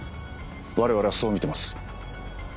我々はそう見てます。